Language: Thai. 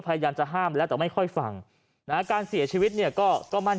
พยายามจะห้ามแล้วแต่ไม่ค่อยฟังนะฮะการเสียชีวิตเนี่ยก็มั่น